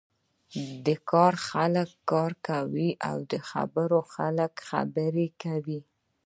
د کار خلک کار کوی او د خبرو خلک خبرې کوی.